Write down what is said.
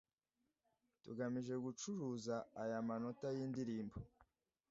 tugamije gucuruza aya manota y’indirimbo,